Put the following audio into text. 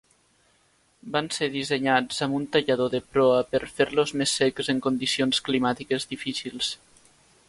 Van ser dissenyats amb un tallador de proa per fer-los més secs en condicions climàtiques difícils.